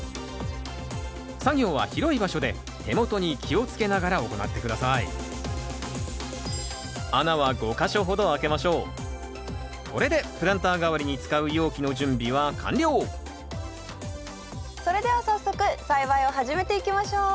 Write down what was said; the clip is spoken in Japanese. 作業は広い場所で手元に気をつけながら行って下さいこれでプランター代わりに使う容器の準備は完了それでは早速栽培を始めていきましょう。